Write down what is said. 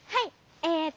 えっとね。